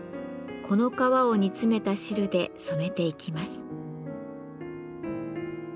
この皮を煮詰めた汁で染めていきます。